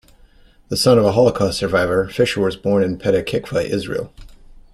The son of a Holocaust survivor, Fisher was born in Petah Tikva, Israel.